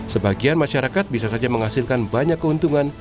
sebagian masyarakat bisa saja menghasilkan banyak keuntungan